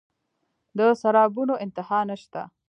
د سرابونو انتها نشته